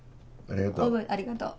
ありがとう。